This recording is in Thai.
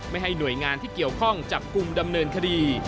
ไม่ให้หน่วยงานที่เกี่ยวข้องจับกลุ่มดำเนินคดี